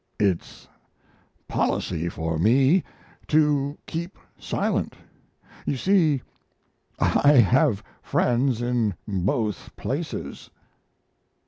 It's policy for me to keep silent. You see, I have friends in both places."